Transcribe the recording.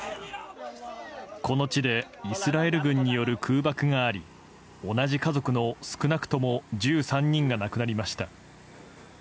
この地でイスラエル軍による空爆があり同じ家族の少なくとも１３人が亡くなりました。